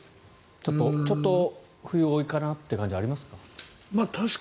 ちょっと冬多いかなっていう感じありますか？